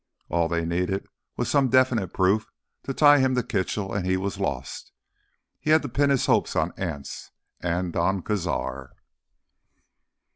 All they needed was some definite proof to tie him to Kitchell and he was lost. He had to pin his hopes on Anse—and Don Cazar.